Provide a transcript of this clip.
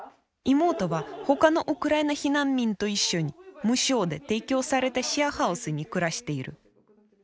妹は他のウクライナ避難民と一緒に無償で提供されたシェアハウスに暮らしている。